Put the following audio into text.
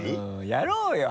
やろうよ。